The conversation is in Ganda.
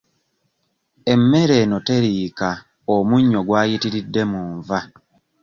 Emmere eno teriika omunnyo gwayitiridde mu nva.